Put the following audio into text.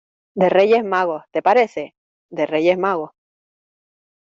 de Reyes Magos, ¿ te parece? de Reyes Magos.